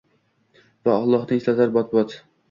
va Аllohni eslatar bot-bot.